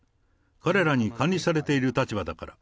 彼らに管理されている立場だから。